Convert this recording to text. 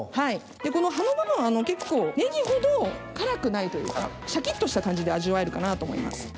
この葉の部分結構ねぎほど辛くないというかシャキっとした感じで味わえるかなぁと思います。